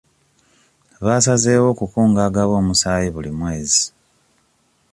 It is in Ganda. Baasazeewo okukunga abagaba omusaayi buli mwezi.